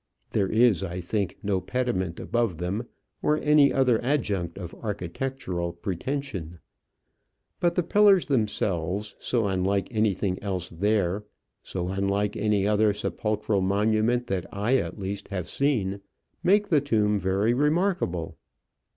There is, I think, no pediment above them, or any other adjunct of architectural pretension; but the pillars themselves, so unlike anything else there, so unlike any other sepulchral monument that I, at least, have seen, make the tomb very remarkable.